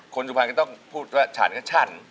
คนสุภัณฑ์ก็ต้องพูดว่าฉันก็ฉัน